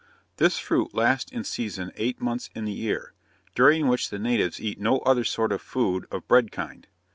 This fruit lasts in season eight months in the year, during which the natives eat no other sort of food of bread kind.